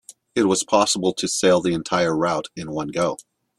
It was possible to sail the entire route in one go.